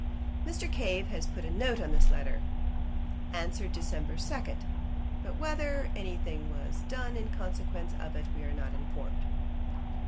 Mr. Cave has put a note on this letter, 'Answered Dec. 2.' But whether any thing was done in consequence of it we are not informed.